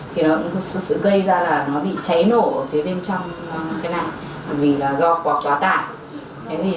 thì nó cũng sự sự gây ra là nó bị cháy nổ ở phía bên trong cái này vì là do quạt quá tải